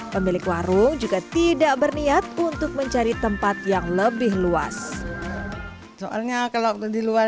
pemilik warung juga tidak berniat untuk mencari tempat yang lebih luas soalnya kalau waktu di luar